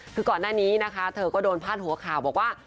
คือก่อนหน้านี้นะคะเธอก็โดนพาดหัวข่าวบอกว่า